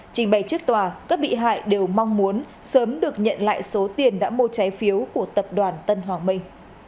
trình bày trước tòa các bị hại đều mong muốn sớm được nhận lại số tiền đã mua trái phiếu của tập đoàn tân hoàng minh